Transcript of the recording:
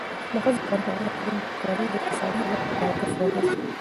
د ښځو کار کول د کورنۍ د اقتصادي حالت د پیاوړتیا سبب ګرځي.